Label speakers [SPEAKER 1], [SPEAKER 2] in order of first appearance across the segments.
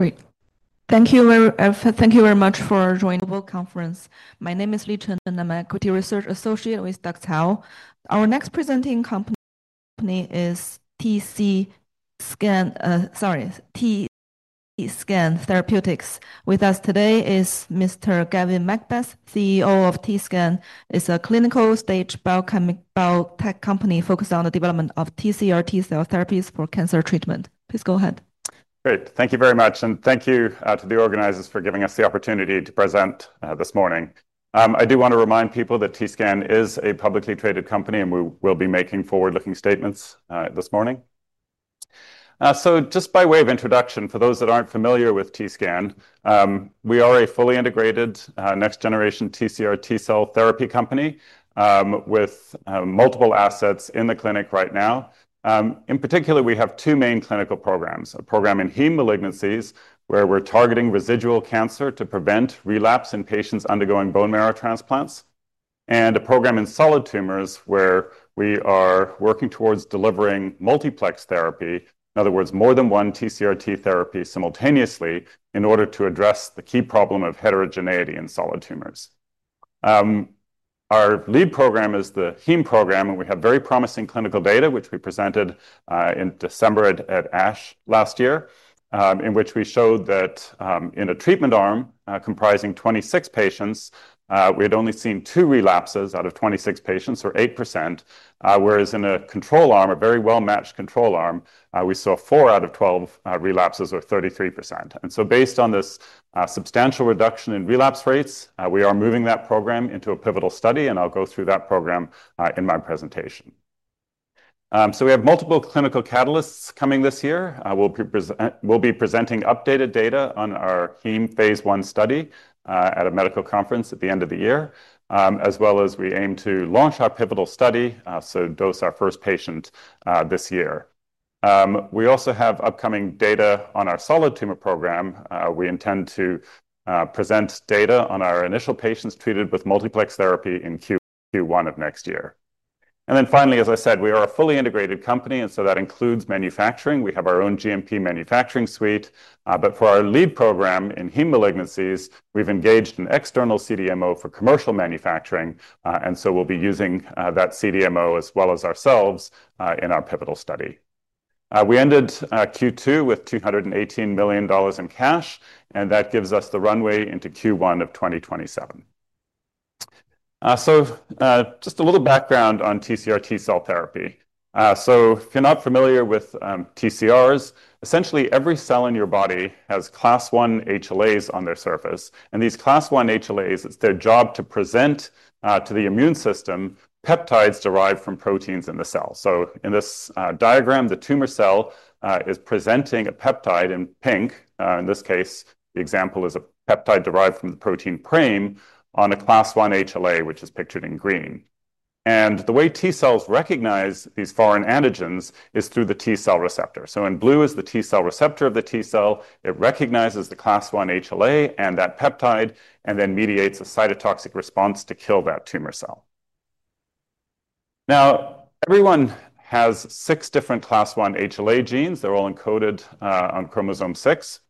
[SPEAKER 1] Great. Thank you very much, thank you very much for joining the conference. My name is Li Chun and I'm a Quarterly Research Associate with DuckTao. Our next presenting company is TScan Therapeutics. With us today is Mr. Gavin McBeth, CEO of TScan. It's a clinical stage biotech company focused on the development of TCRT cell therapies for cancer treatment. Please go ahead.
[SPEAKER 2] Great. Thank you very much, and thank you to the organizers for giving us the opportunity to present this morning. I do want to remind people that TScan is a publicly traded company and we will be making forward-looking statements this morning. Just by way of introduction, for those that aren't familiar with TScan, we are a fully integrated next-generation TCRT cell therapy company with multiple assets in the clinic right now. In particular, we have two main clinical programs: a program in heme malignancies, where we're targeting residual cancer to prevent relapse in patients undergoing bone marrow transplants, and a program in solid tumors, where we are working towards delivering multiplex therapy, in other words, more than one TCRT therapy simultaneously in order to address the key problem of heterogeneity in solid tumors. Our lead program is the heme program, and we have very promising clinical data, which we presented in December at ASH last year, in which we showed that in a treatment arm comprising 26 patients, we had only seen two relapses out of 26 patients, or 8%, whereas in a control arm, a very well-matched control arm, we saw 4 out of 12 relapses, or 33%. Based on this substantial reduction in relapse rates, we are moving that program into a pivotal study, and I'll go through that program in my presentation. We have multiple clinical catalysts coming this year. We'll be presenting updated data on our heme phase one study at a medical conference at the end of the year, as well as we aim to launch our pivotal study, so dose our first patient this year. We also have upcoming data on our solid tumor program. We intend to present data on our initial patients treated with multiplex therapy in Q1 of next year. Finally, as I said, we are a fully integrated company, and that includes manufacturing. We have our own GMP manufacturing suite, but for our lead program in heme malignancies, we've engaged an external CDMO for commercial manufacturing, and we'll be using that CDMO as well as ourselves in our pivotal study. We ended Q2 with $218 million in cash, and that gives us the runway into Q1 of 2027. Just a little background on TCRT cell therapy. If you're not familiar with TCRs, essentially every cell in your body has class I HLAs on their surface, and these class I HLAs, it's their job to present to the immune system peptides derived from proteins in the cell. In this diagram, the tumor cell is presenting a peptide in pink. In this case, the example is a peptide derived from the protein PRAME on a class I HLA, which is pictured in green. The way T cells recognize these foreign antigens is through the T cell receptor. In blue is the T cell receptor of the T cell. It recognizes the class I HLA and that peptide and then mediates a cytotoxic response to kill that tumor cell. Everyone has six different class I HLA genes. They're all encoded on chromosome six.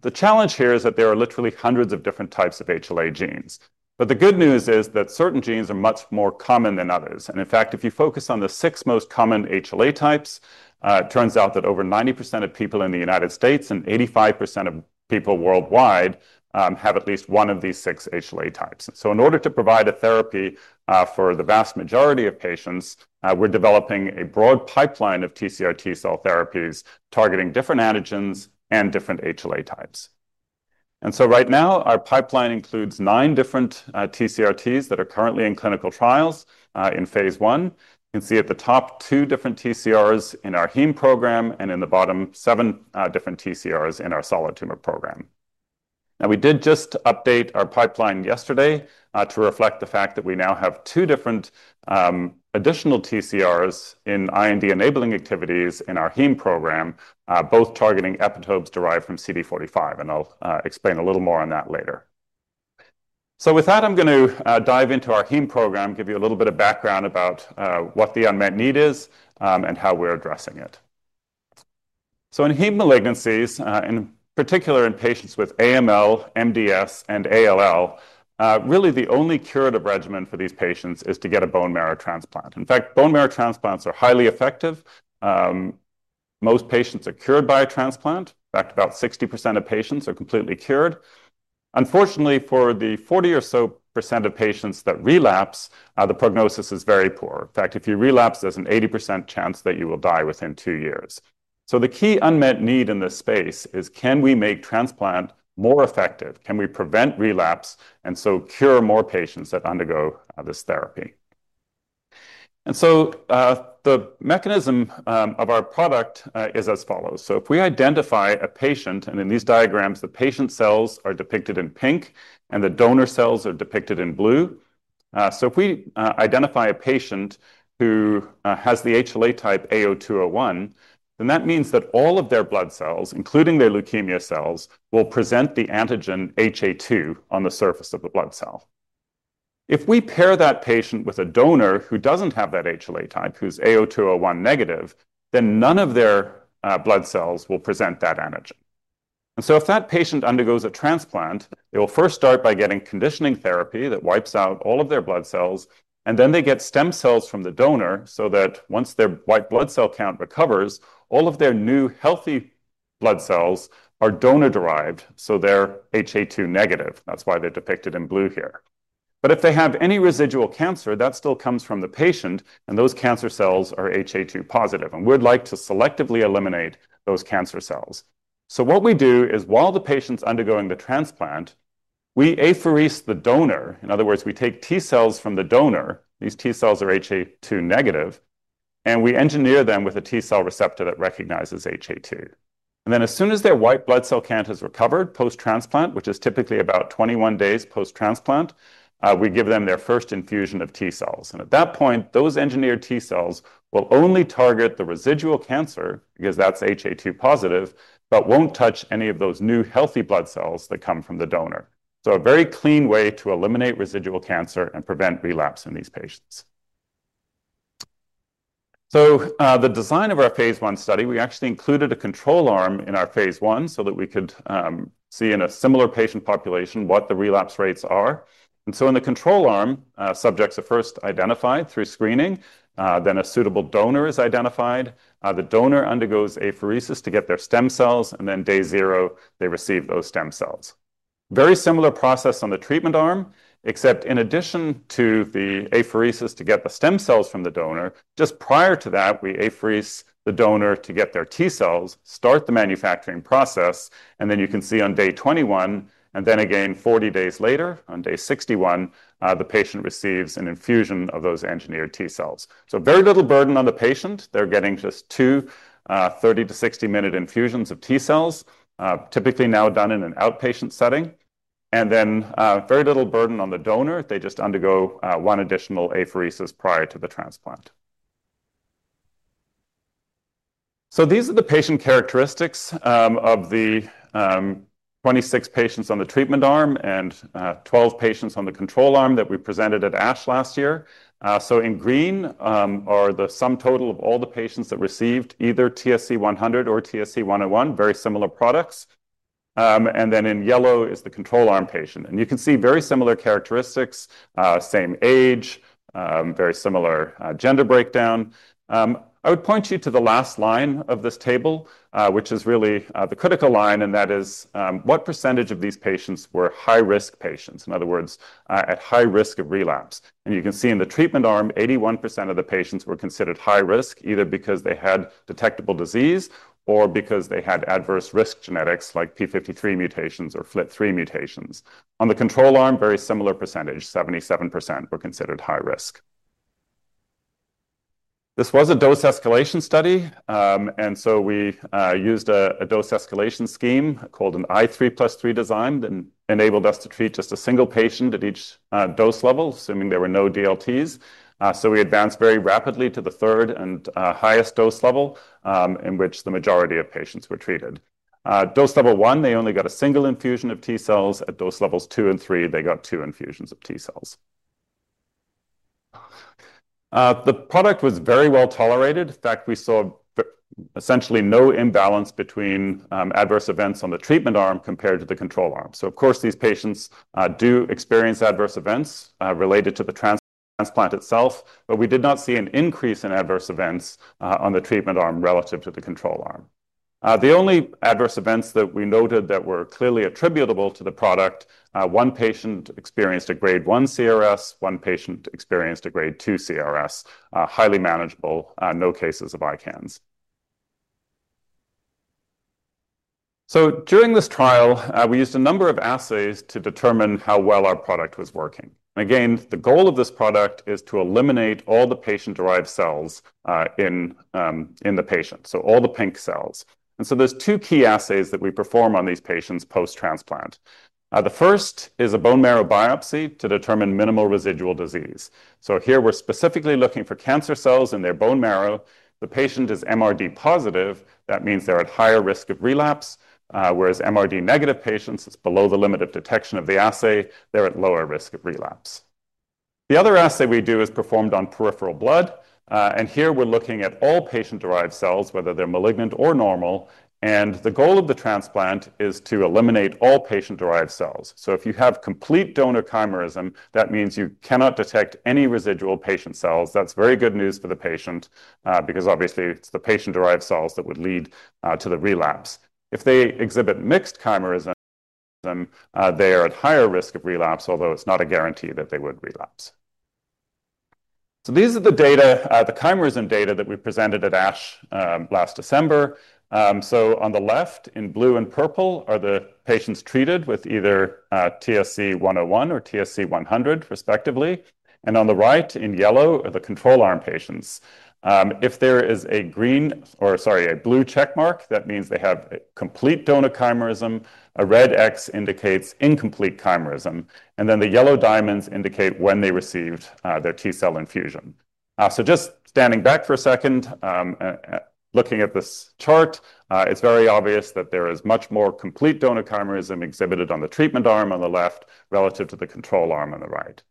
[SPEAKER 2] The challenge here is that there are literally hundreds of different types of HLA genes. The good news is that certain genes are much more common than others. In fact, if you focus on the six most common HLA types, it turns out that over 90% of people in the United States and 85% of people worldwide have at least one of these six HLA types. In order to provide a therapy for the vast majority of patients, we're developing a broad pipeline of TCRT cell therapies targeting different antigens and different HLA types. Right now, our pipeline includes nine different TCRTs that are currently in clinical trials in phase one. You can see at the top two different TCRs in our heme program and in the bottom seven different TCRs in our solid tumor program. We did just update our pipeline yesterday to reflect the fact that we now have two different additional TCRs in IND-enabling activities in our heme program, both targeting epitopes derived from CD45. I'll explain a little more on that later. With that, I'm going to dive into our heme program, give you a little bit of background about what the unmet need is and how we're addressing it. In heme malignancies, in particular in patients with AML, MDS, and ALL, really the only curative regimen for these patients is to get a bone marrow transplant. In fact, bone marrow transplants are highly effective. Most patients are cured by a transplant. In fact, about 60% of patients are completely cured. Unfortunately, for the 40% or so of patients that relapse, the prognosis is very poor. In fact, if you relapse, there's an 80% chance that you will die within two years. The key unmet need in this space is can we make transplant more effective? Can we prevent relapse and cure more patients that undergo this therapy? The mechanism of our product is as follows. If we identify a patient, and in these diagrams, the patient cells are depicted in pink and the donor cells are depicted in blue. If we identify a patient who has the HLA type AO201, that means that all of their blood cells, including their leukemia cells, will present the antigen HA2 on the surface of the blood cell. If we pair that patient with a donor who doesn't have that HLA type, who's AO201 negative, then none of their blood cells will present that antigen. If that patient undergoes a transplant, they will first start by getting conditioning therapy that wipes out all of their blood cells, and then they get stem cells from the donor so that once their white blood cell count recovers, all of their new healthy blood cells are donor-derived, so they're HA2 negative. That's why they're depicted in blue here. If they have any residual cancer, that still comes from the patient, and those cancer cells are HA2 positive, and we'd like to selectively eliminate those cancer cells. What we do is while the patient's undergoing the transplant, we apherese the donor. In other words, we take T cells from the donor. These T cells are HA2 negative, and we engineer them with a T cell receptor that recognizes HA2. As soon as their white blood cell count has recovered post-transplant, which is typically about 21 days post-transplant, we give them their first infusion of T cells. At that point, those engineered T cells will only target the residual cancer because that's HA2 positive, but won't touch any of those new healthy blood cells that come from the donor. A very clean way to eliminate residual cancer and prevent relapse in these patients. The design of our phase one study actually included a control arm in our phase one so that we could see in a similar patient population what the relapse rates are. In the control arm, subjects are first identified through screening, then a suitable donor is identified. The donor undergoes apheresis to get their stem cells, and then day zero, they receive those stem cells. Very similar process on the treatment arm, except in addition to the apheresis to get the stem cells from the donor, just prior to that, we apherese the donor to get their T cells, start the manufacturing process, and then you can see on day 21, and then again 40 days later, on day 61, the patient receives an infusion of those engineered T cells. Very little burden on the patient. They're getting just two 30 to 60-minute infusions of T cells, typically now done in an outpatient setting, and then very little burden on the donor if they just undergo one additional apheresis prior to the transplant. These are the patient characteristics of the 26 patients on the treatment arm and 12 patients on the control arm that we presented at ASH last year. In green are the sum total of all the patients that received either TSC-100 or TSC-101, very similar products. In yellow is the control arm patient. You can see very similar characteristics, same age, very similar gender breakdown. I would point you to the last line of this table, which is really the critical line, and that is what % of these patients were high-risk patients, in other words, at high risk of relapse. You can see in the treatment arm, 81% of the patients were considered high risk, either because they had detectable disease or because they had adverse risk genetics like p53 mutations or FLT3 mutations. On the control arm, very similar %, 77% were considered high risk. This was a dose escalation study, and we used a dose escalation scheme called an i3 plus 3 design that enabled us to treat just a single patient at each dose level, assuming there were no DLTs. We advanced very rapidly to the third and highest dose level in which the majority of patients were treated. Dose level one, they only got a single infusion of T cells. At dose levels two and three, they got two infusions of T cells. The product was very well tolerated. In fact, we saw essentially no imbalance between adverse events on the treatment arm compared to the control arm. These patients do experience adverse events related to the transplant itself, but we did not see an increase in adverse events on the treatment arm relative to the control arm. The only adverse events that we noted that were clearly attributable to the product, one patient experienced a grade one CRS, one patient experienced a grade two CRS, highly manageable, no cases of ICANS. During this trial, we used a number of assays to determine how well our product was working. The goal of this product is to eliminate all the patient-derived cells in the patient, so all the pink cells. There are two key assays that we perform on these patients post-transplant. The first is a bone marrow biopsy to determine minimal residual disease. Here we're specifically looking for cancer cells in their bone marrow. The patient is MRD positive. That means they're at higher risk of relapse, whereas MRD negative patients, it's below the limit of detection of the assay. They're at lower risk of relapse. The other assay we do is performed on peripheral blood, and here we're looking at all patient-derived cells, whether they're malignant or normal. The goal of the transplant is to eliminate all patient-derived cells. If you have complete donor chimerism, that means you cannot detect any residual patient cells. That's very good news for the patient because obviously it's the patient-derived cells that would lead to the relapse. If they exhibit mixed chimerism, they are at higher risk of relapse, although it's not a guarantee that they would relapse. These are the data, the chimerism data that we presented at ASH last December. On the left, in blue and purple, are the patients treated with either TSC-101 or TSC-100, respectively. On the right, in yellow, are the control arm patients. If there is a blue checkmark, that means they have complete donor chimerism. A red X indicates incomplete chimerism, and the yellow diamonds indicate when they received their T cell infusion. Standing back for a second and looking at this chart, it's very obvious that there is much more complete donor chimerism exhibited on the treatment arm on the left relative to the control arm on the right.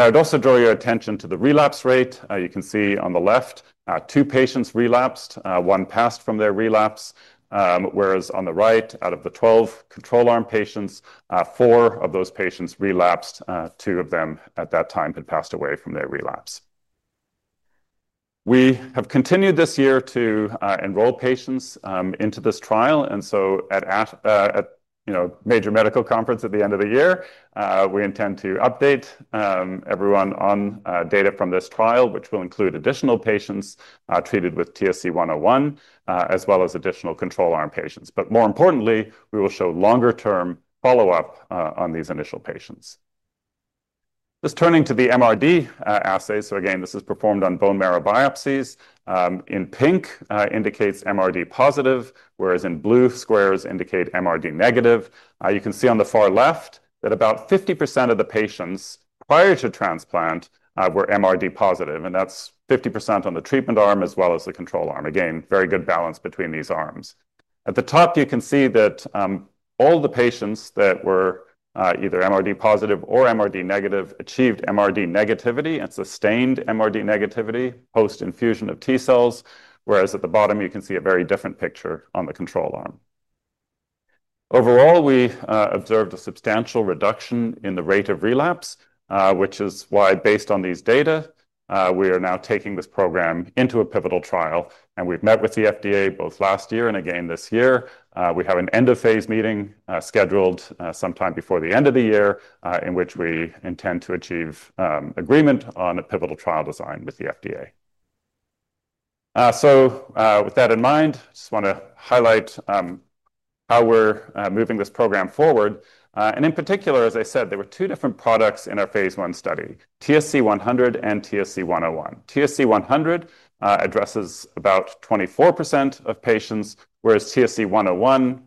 [SPEAKER 2] I'd also draw your attention to the relapse rate. You can see on the left, two patients relapsed, one passed from their relapse, whereas on the right, out of the 12 control arm patients, four of those patients relapsed. Two of them at that time had passed away from their relapse. We have continued this year to enroll patients into this trial. At a major medical conference at the end of the year, we intend to update everyone on data from this trial, which will include additional patients treated with TSC-101, as well as additional control arm patients. More importantly, we will show longer-term follow-up on these initial patients. Turning to the MRD assay, this is performed on bone marrow biopsies. In pink, it indicates MRD positive, whereas in blue, squares indicate MRD negative. You can see on the far left that about 50% of the patients prior to transplant were MRD positive, and that's 50% on the treatment arm as well as the control arm. Again, very good balance between these arms. At the top, you can see that all the patients that were either MRD positive or MRD negative achieved MRD negativity and sustained MRD negativity post-infusion of T cells, whereas at the bottom, you can see a very different picture on the control arm. Overall, we observed a substantial reduction in the rate of relapse, which is why, based on these data, we are now taking this program into a pivotal trial. We have met with the FDA both last year and again this year. We have an end-of-phase meeting scheduled sometime before the end of the year in which we intend to achieve agreement on a pivotal trial design with the FDA. With that in mind, I just want to highlight how we're moving this program forward. In particular, as I said, there were two different products in our phase one study, TSC-100 and TSC-101. TSC-100 addresses about 24% of patients, whereas TSC-101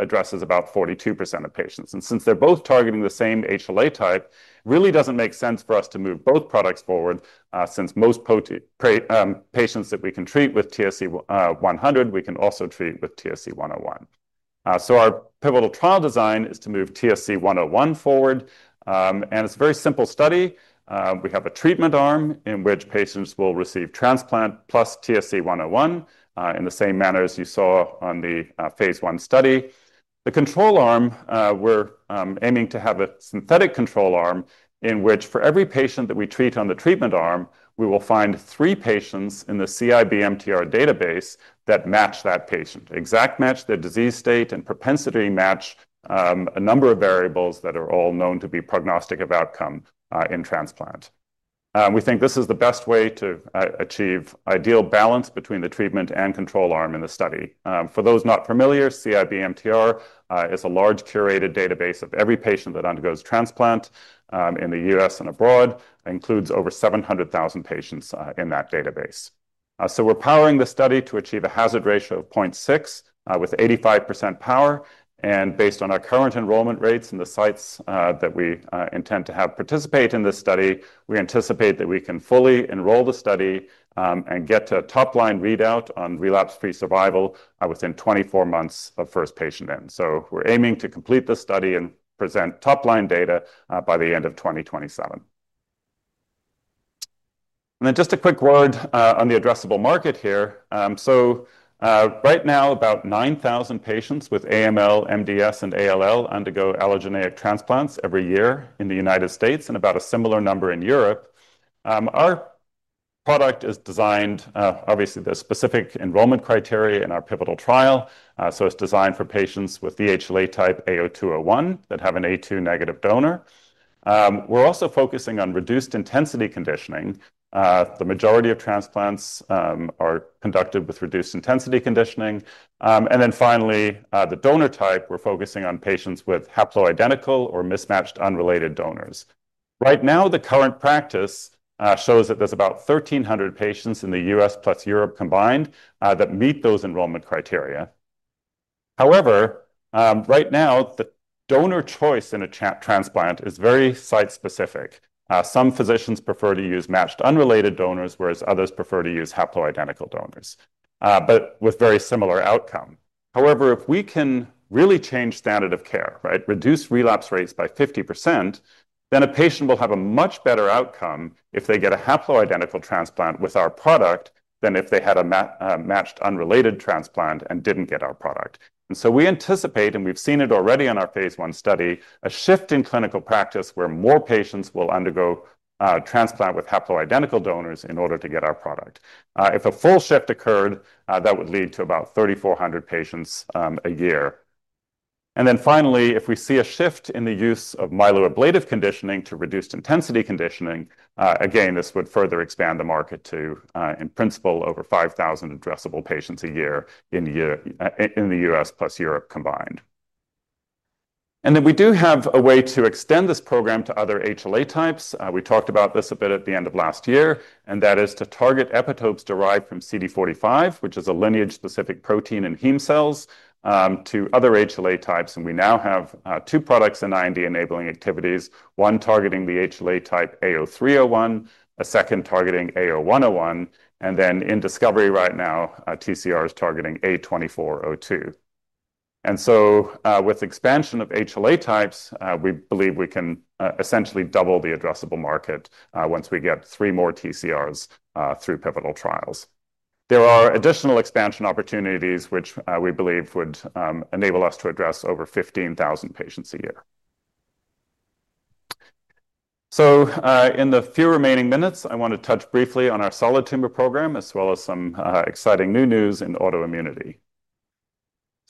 [SPEAKER 2] addresses about 42% of patients. Since they're both targeting the same HLA type, it really doesn't make sense for us to move both products forward since most patients that we can treat with TSC-100, we can also treat with TSC-101. Our pivotal trial design is to move TSC-101 forward, and it's a very simple study. We have a treatment arm in which patients will receive transplant plus TSC-101 in the same manner as you saw on the phase one study. The control arm, we're aiming to have a synthetic control arm in which for every patient that we treat on the treatment arm, we will find three patients in the CIBMTR database that match that patient. Exact match, the disease state, and propensity match a number of variables that are all known to be prognostic of outcome in transplant. We think this is the best way to achieve ideal balance between the treatment and control arm in the study. For those not familiar, CIBMTR is a large curated database of every patient that undergoes transplant in the U.S. and abroad. It includes over 700,000 patients in that database. We're powering the study to achieve a hazard ratio of 0.6 with 85% power. Based on our current enrollment rates in the sites that we intend to have participate in this study, we anticipate that we can fully enroll the study and get to a top-line readout on relapse-free survival within 24 months of first patient in. We're aiming to complete this study and present top-line data by the end of 2027. Just a quick word on the addressable market here. Right now, about 9,000 patients with AML, MDS, and ALL undergo allogeneic transplants every year in the United States and about a similar number in Europe. Our product is designed, obviously, there's specific enrollment criteria in our pivotal trial. It is designed for patients with the HLA type A0201 that have an A2 negative donor. We're also focusing on reduced intensity conditioning. The majority of transplants are conducted with reduced intensity conditioning. Finally, the donor type, we're focusing on patients with haploidentical or mismatched unrelated donors. Right now, the current practice shows that there's about 1,300 patients in the United States plus Europe combined that meet those enrollment criteria. However, right now, the donor choice in a transplant is very site-specific. Some physicians prefer to use matched unrelated donors, whereas others prefer to use haploidentical donors, but with very similar outcome. If we can really change standard of care, reduce relapse rates by 50%, then a patient will have a much better outcome if they get a haploidentical transplant with our product than if they had a matched unrelated transplant and didn't get our product. We anticipate, and we've seen it already in our phase one study, a shift in clinical practice where more patients will undergo transplant with haploidentical donors in order to get our product. If a full shift occurred, that would lead to about 3,400 patients a year. If we see a shift in the use of myeloablative conditioning to reduced intensity conditioning, this would further expand the market to, in principle, over 5,000 addressable patients a year in the United States plus Europe combined. We do have a way to extend this program to other HLA types. We talked about this a bit at the end of last year, and that is to target epitopes derived from CD45, which is a lineage-specific protein in heme cells, to other HLA types. We now have two products in IND-enabling activities, one targeting the HLA type A0301, a second targeting A0101, and in discovery right now, TCR is targeting A2402. With expansion of HLA types, we believe we can essentially double the addressable market once we get three more TCRs through pivotal trials. There are additional expansion opportunities, which we believe would enable us to address over 15,000 patients a year. In the few remaining minutes, I want to touch briefly on our solid tumor program as well as some exciting new news in autoimmunity.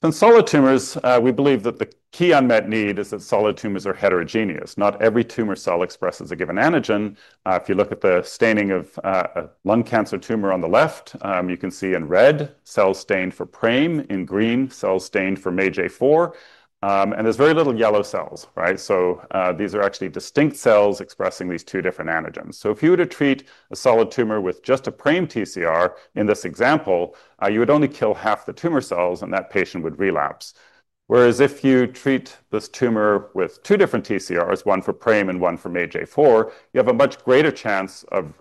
[SPEAKER 2] In solid tumors, we believe that the key unmet need is that solid tumors are heterogeneous. Not every tumor cell expresses a given antigen. If you look at the staining of a lung cancer tumor on the left, you can see in red cells stained for PRAME, in green cells stained for MAGE4, and there's very little yellow cells, right? These are actually distinct cells expressing these two different antigens. If you were to treat a solid tumor with just a PRAME TCR in this example, you would only kill half the tumor cells, and that patient would relapse. If you treat this tumor with two different TCRs, one for PRAME and one for MAGE4, you have a much greater chance of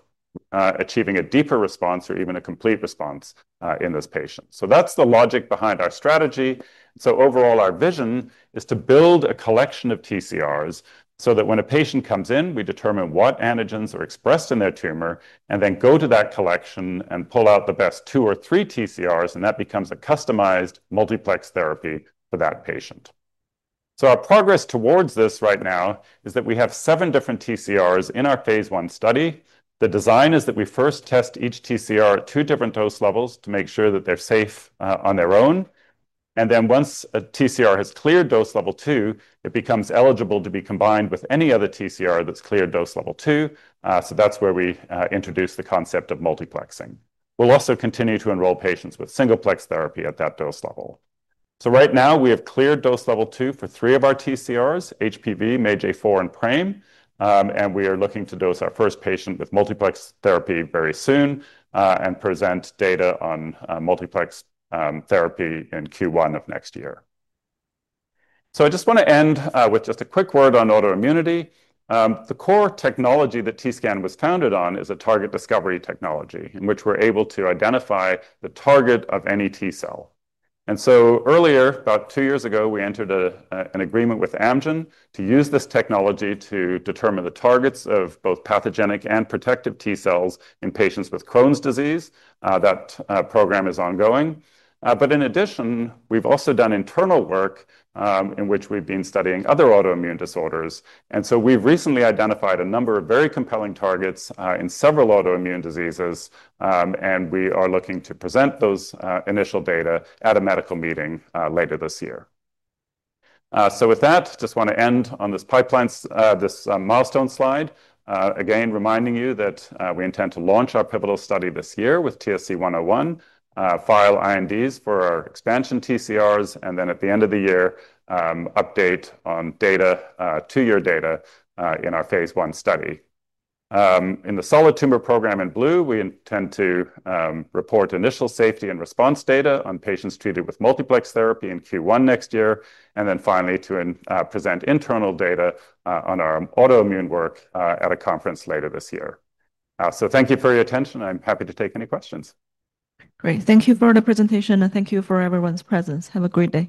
[SPEAKER 2] achieving a deeper response or even a complete response in this patient. That's the logic behind our strategy. Overall, our vision is to build a collection of TCRs so that when a patient comes in, we determine what antigens are expressed in their tumor and then go to that collection and pull out the best two or three TCRs, and that becomes a customized multiplex therapy for that patient. Our progress towards this right now is that we have seven different TCRs in our phase one study. The design is that we first test each TCR at two different dose levels to make sure that they're safe on their own. Once a TCR has cleared dose level two, it becomes eligible to be combined with any other TCR that's cleared dose level two. That's where we introduce the concept of multiplexing. We'll also continue to enroll patients with singleplex therapy at that dose level. Right now, we have cleared dose level two for three of our TCRs, HPV, MAGE4, and PRAME, and we are looking to dose our first patient with multiplex therapy very soon and present data on multiplex therapy in Q1 of next year. I just want to end with a quick word on autoimmunity. The core technology that TScan Therapeutics was founded on is a target discovery technology in which we're able to identify the target of any T cell. Earlier, about two years ago, we entered an agreement with Amgen to use this technology to determine the targets of both pathogenic and protective T cells in patients with Crohn's disease. That program is ongoing. In addition, we've also done internal work in which we've been studying other autoimmune disorders. We have recently identified a number of very compelling targets in several autoimmune diseases, and we are looking to present those initial data at a medical meeting later this year. With that, I just want to end on this pipeline, this milestone slide. Again, reminding you that we intend to launch our pivotal study this year with TSC-101, file INDs for our expansion TCRs, and at the end of the year, update on data, two-year data in our phase one study. In the solid tumor program in blue, we intend to report initial safety and response data on patients treated with multiplex therapy in Q1 next year, and finally to present internal data on our autoimmune work at a conference later this year. Thank you for your attention. I'm happy to take any questions.
[SPEAKER 1] Great. Thank you for the presentation, and thank you for everyone's presence. Have a great day.